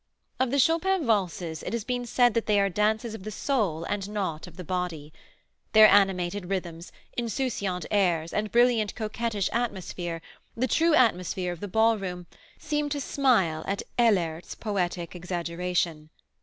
Of the Chopin Valses it has been said that they are dances of the soul and not of the body. Their animated rhythms, insouciant airs and brilliant, coquettish atmosphere, the true atmosphere of the ballroom, seem to smile at Ehlert's poetic exaggeration.